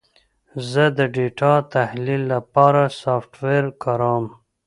زه د ډیټا تحلیل لپاره سافټویر کاروم.